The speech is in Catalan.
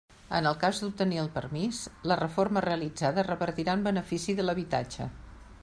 En el cas d'obtenir el permís, la reforma realitzada revertirà en benefici de l'habitatge.